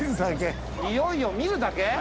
いよいよ見るだけ？